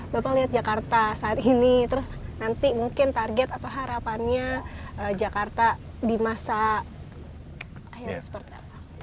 bapak lihat jakarta saat ini terus nanti mungkin target atau harapannya jakarta di masa akhirnya seperti apa